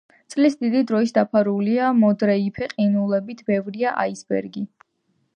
წლის დიდ დროს დაფარულია მოდრეიფე ყინულებით, ბევრია აისბერგი.